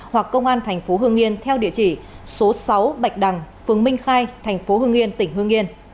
hoặc công an thành phố hương yên theo địa chỉ số sáu bạch đằng phường minh khai thành phố hương yên tỉnh hương yên